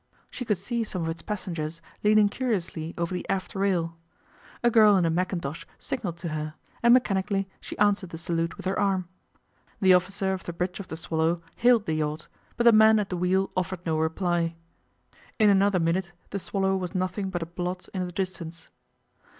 She could see some of its passengers leaning curiously over the aft rail. A girl in a mackintosh signalled to her, and mechanically she answered the salute with her arm. The officer of the bridge of the Swallow hailed the yacht, but the man at the wheel offered no reply. In another minute the Swallow was nothing but a blot in the distance.